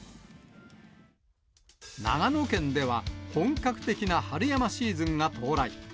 長野県では、本格的な春山シーズンが到来。